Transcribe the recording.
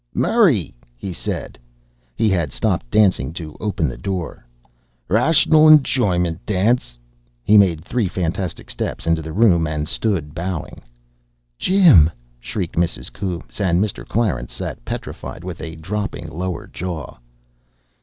"Merry!" he said. He had stopped dancing to open the door. "Rational 'njoyment. Dance." He made three fantastic steps into the room, and stood bowing. "Jim!" shrieked Mrs. Coombes, and Mr. Clarence sat petrified, with a dropping lower jaw.